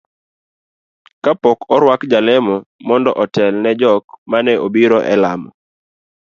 kapok orwuak jalemo mondo otel ne jok maneobiro e lamo